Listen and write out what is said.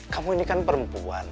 kamu ini kan perempuan